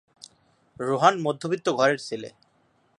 রোহান মধ্যবিত্ত ঘরের ছেলে।